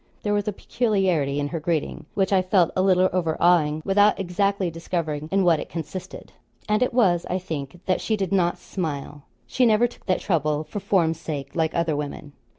There was a peculiarity in her greeting, which I felt a little overawing, without exactly discovering in what it consisted; and it was I think that she did not smile. She never took that trouble for form's sake, like other women.